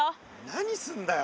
何すんだよ？